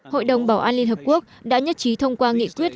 hội đồng bảo an liên hợp quốc đã nhất trí thông qua nghị quyết